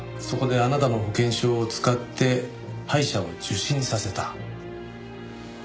そこであなたの保険証を使って歯医者を受診させた。